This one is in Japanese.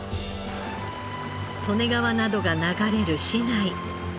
利根川などが流れる市内。